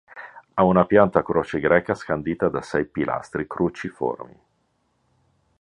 Ha una pianta a croce greca scandita da sei pilastri cruciformi.